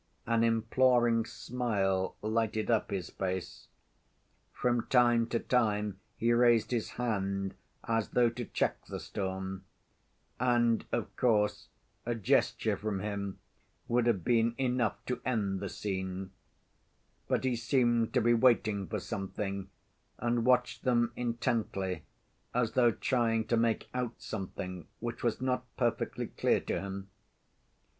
An imploring smile lighted up his face; from time to time he raised his hand, as though to check the storm, and, of course, a gesture from him would have been enough to end the scene; but he seemed to be waiting for something and watched them intently as though trying to make out something which was not perfectly clear to him.